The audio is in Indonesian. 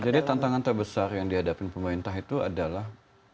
jadi tantangan terbesar yang dihadapin pemerintah itu adalah